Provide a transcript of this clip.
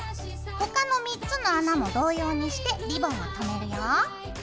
他の３つの穴も同様にしてリボンをとめるよ。